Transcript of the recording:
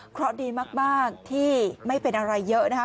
เพราะดีมากที่ไม่เป็นอะไรเยอะนะคะ